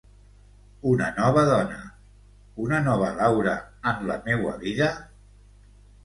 Una nova dona... una nova Laura en la meua vida?